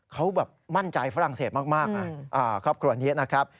เขาแบบมั่นใจฝรั่งเศสมากครอบครัวนี้นะครับ